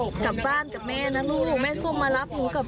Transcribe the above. ฟ้าค่ะไปกับเงินแม่ครับ